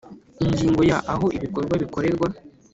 Ingingo ya aho ibikorwa bikorerwa